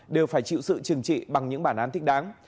đều phải chịu sự trừng trị bằng những bản án thích đáng